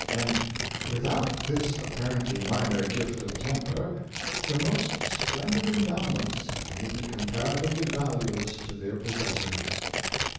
And without this apparently minor gift of temper, the most splendid endowments may be comparatively valueless to their possessor.